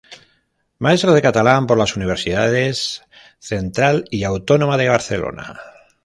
Maestro de catalán por las universidades Central y Autónoma de Barcelona.